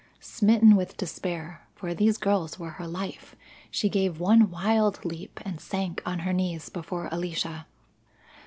Smitten with despair, for these girls were her life, she gave one wild leap and sank on her knees before Alicia.